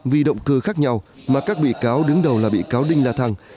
vì động cơ khác nhau mà các bị cáo đứng đầu là bị cáo đinh la thăng